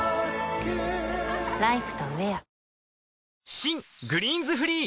新「グリーンズフリー」